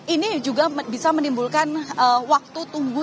ini juga bisa menimbulkan waktu tunggu